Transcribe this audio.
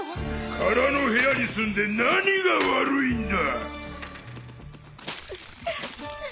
空の部屋にすんで何が悪いんだ！？